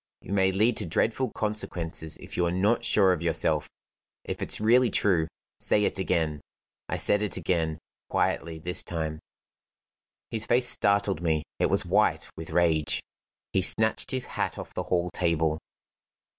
You may lead to dreadful consequences if you are not sure of yourself. If it's really true, say it again." I said it again quietly this time. His face startled me; it was white with rage. He snatched his hat off the hall table.